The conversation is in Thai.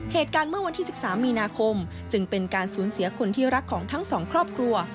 เหตุการณ์เมื่อวันที่๑๓มีนาคมจึงเป็นการสูญเสียคนที่รักของทั้งสองครอบครัว